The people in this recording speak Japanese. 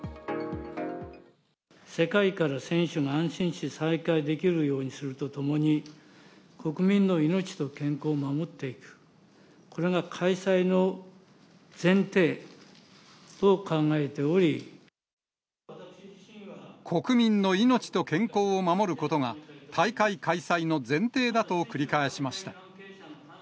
世界から選手が安心して参加できるようにするとともに、国民の命と健康を守っていく、国民の命と健康を守ることが、大会開催の前提だと繰り返しました。